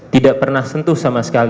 tidak pernah sentuh sama sekali